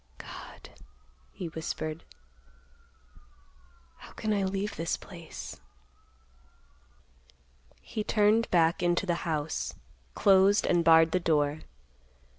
"God," he whispered, "how can I leave this place?" He turned back into the house, closed and barred the door.